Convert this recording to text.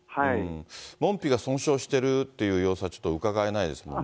門扉が損傷してるっていう様子はうかがえないですもんね。